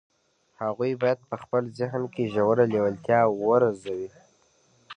هغوی بايد په خپل ذهن کې ژوره لېوالتیا وروزي.